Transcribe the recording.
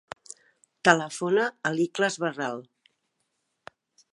Telefona a l'Ikhlas Barral.